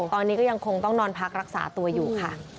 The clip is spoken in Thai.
ตอนนี้ก็ยังคงต้องนอนพักรักษาตัวอยู่ค่ะ